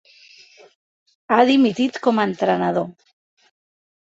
Ha dimitit com a entrenador.